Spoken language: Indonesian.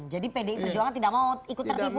jadi pd perjuangan tidak mau ikut tertipu